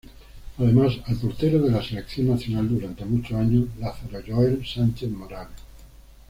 Además al portero de la selección nacional durante muchos años, Lázaro Joel Sánchez Morales.